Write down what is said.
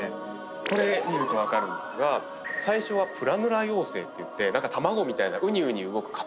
これ見ると分かるんですが最初はプラヌラ幼生っていって卵みたいなウニウニ動く塊なんですね。